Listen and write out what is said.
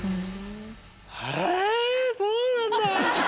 へえそうなんだ。